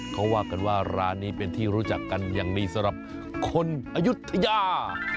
เขาว่ากันว่าร้านนี้เป็นที่รู้จักกันอย่างดีสำหรับคนอายุทยา